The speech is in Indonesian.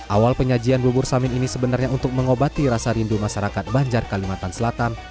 awal penyajian bubur samin ini sebenarnya untuk mengobati rasa rindu masyarakat banjar kalimantan selatan